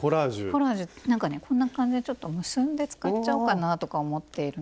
コラージュなんかねこんな感じでちょっと結んで使っちゃおうかなとか思っているので。